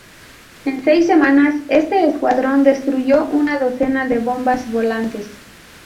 En seis semanas, este escuadrón destruyó una docena de bombas volantes.